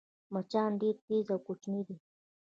مچان ډېر تېز او کوچني دي